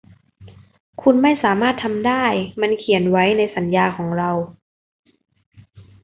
คุณไม่สามารถทำได้มันเขียนไว้ในสัญญาของเรา